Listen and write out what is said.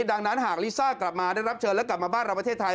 ดังนั้นหากลิซ่ากลับมาได้รับเชิญแล้วกลับมาบ้านเราประเทศไทย